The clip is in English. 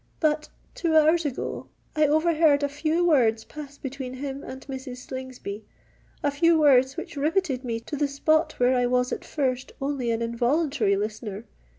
But—two hours ago—I overheard a few words pass between him and Mrs. Slingsby,—a few words which rivetted me to the spot where I was at first only an involuntary listener.